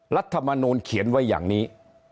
รัฐมนูลเขียนไว้อย่างนี้